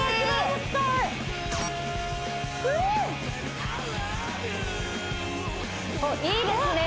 おっいいですね